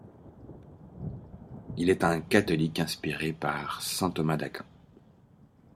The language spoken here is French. Il est un catholique inspiré par saint Thomas d'Aquin.